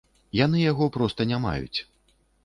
Яны яго проста не маюць.